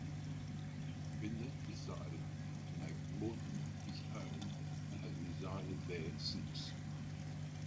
Binder decided to make Lawton his home and has resided there since.